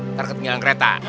ntar ketinggalan kereta